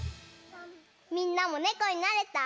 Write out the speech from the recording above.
みんなもねこになれた？